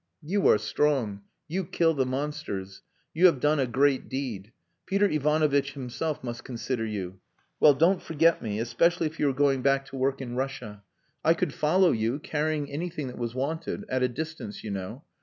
You are strong. You kill the monsters. You have done a great deed. Peter Ivanovitch himself must consider you. Well don't forget me especially if you are going back to work in Russia. I could follow you, carrying anything that was wanted at a distance, you know.